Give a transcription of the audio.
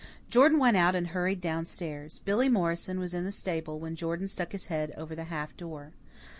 Jordan went out and hurried down stairs. Billy Morrison was in the stable, when Jordan stuck his head over the half door.